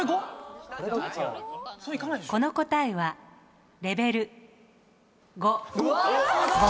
この答えはレベル５。